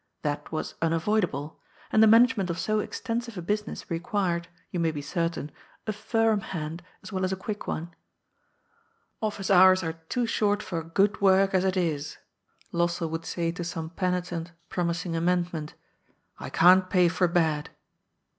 That was unavoidable, and the management of so extensive a business required, you may be certain, a firm hand as well as a quick one. '^ Office hours are too short for good work, as it is," Lossell would say to some penitent promising amendment ;*' I can't pay for bad."